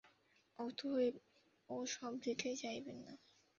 অতএব ও-সব দিকেই যাইবেন না।